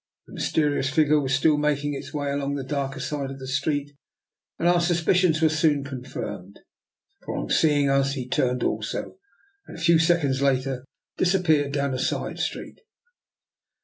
The mysterious figure was still mak ing its way along the darker side of the street ; and our suspicions were soon confirmed, for on seeing us turn he turned also, and a few seconds later disappeared down a side street.